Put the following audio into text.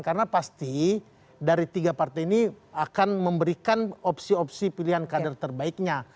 karena pasti dari tiga partai ini akan memberikan opsi opsi pilihan kader terbaiknya